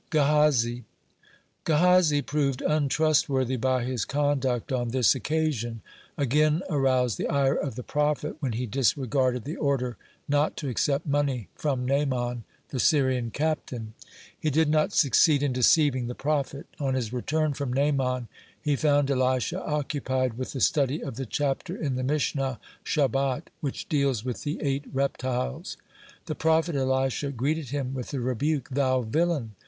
(14) GEHAZI Gehazi, proved untrustworthy by his conduct on this occasion, again aroused the ire of the prophet when he disregarded the order not to accept money from Naaman, the Syrian captain. He did not succeed in deceiving the prophet. On his return from Naaman he found Elisha occupied with the study of the chapter in the Mishnah Shabbat which deals with the eight reptiles. The prophet Elisha greeted him with the rebuke: "Thou villain!